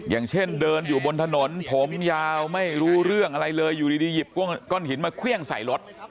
อย่างเช่นเดินอยู่บนถนนผมยาวไม่รู้เรื่องอะไรเลยอยู่ดีหยิบก้อนหินมาเครื่องใส่รถ